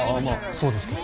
そうですけど。